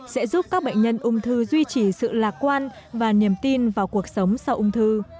sẽ giúp các bệnh nhân ung thư duy trì sự lạc quan và niềm tin vào cuộc sống sau ung thư